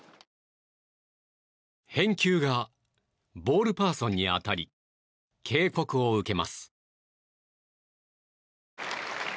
返球がボールパーソンに当たり警告を受けます。